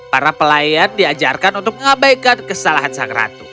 para pelayar diajarkan untuk mengabaikan kesalahan sang ratu